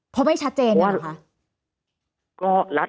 เพราะไม่ชัดเจนด้วยเหรอคะ